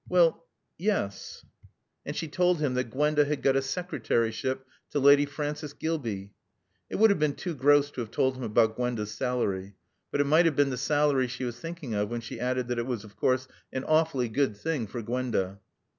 "Well, yes." And she told him that Gwenda had got a secretaryship to Lady Frances Gilbey. It would have been too gross to have told him about Gwenda's salary. But it might have been the salary she was thinking of when she added that it was of course an awfully good thing for Gwenda.